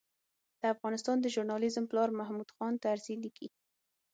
د افغانستان د ژورنالېزم پلار محمود خان طرزي لیکي.